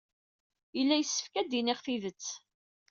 Yella yessefk ad d-iniɣ tidet.